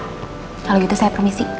kalau gitu saya permisi